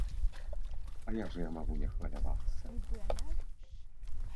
А як жа я магу не хвалявацца?